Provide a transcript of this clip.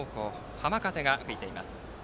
浜風が吹いています。